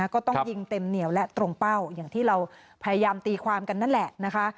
ก็ต้องยิงเต็มเหนียวและตรงเป้าอย่างที่เราพยายามตีความกันนั่นแหละนะคะ